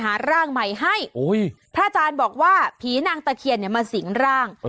หาร่างใหม่ให้พระอาจารย์บอกว่าผีนางตะเคียนเนี่ยมาสิงร่าง